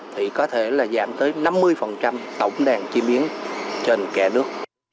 thì có thể là giảm tới năm mươi tổng đàn chim yến trên cả nước